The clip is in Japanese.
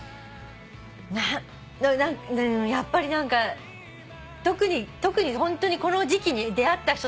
やっぱり何か特にホントにこの時期に出会った人たち。